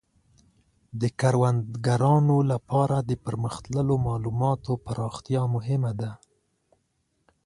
د کروندګرانو لپاره د پرمختللو مالوماتو پراختیا مهمه ده.